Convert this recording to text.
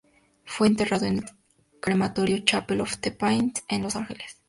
Fue enterrado en el crematorio "Chapel of the Pines", en Los Ángeles.